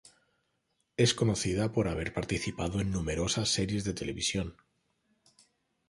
Es conocida por haber participado en numerosas series de televisión.